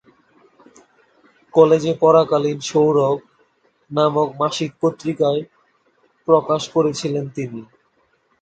কলেজে পড়াকালীন "সৌরভ" নামক মাসিক পত্রিকা প্রকাশ করেছিলেন তিনি।